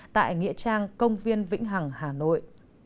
tại nghĩa trang công viên vĩnh hằng hà nội